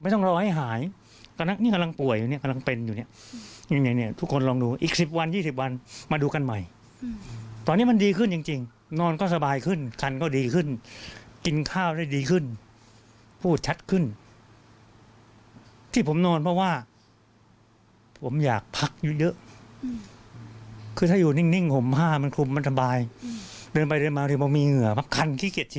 ตามความทุกข์ความทรมาน